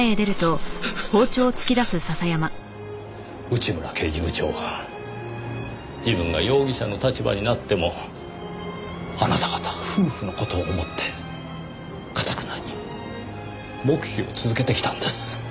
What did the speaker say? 内村刑事部長は自分が容疑者の立場になってもあなた方夫婦の事を思って頑なに黙秘を続けてきたんです。